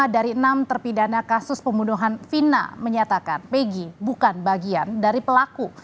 dua dari enam terpidana kasus pembunuhan vina menyatakan megi bukan bagian dari pelaku